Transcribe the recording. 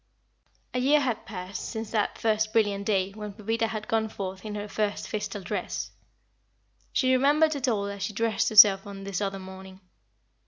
A year had passed since that first brilliant day when Pepita had gone forth in her first festal dress. She remembered it all as she dressed herself on this other morning.